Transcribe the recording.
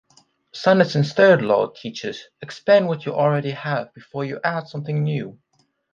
Sanderson's "Third Law" teaches, "Expand what you already have before you add something new.